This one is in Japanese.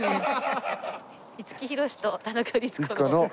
「五木ひろしと田中律子の」。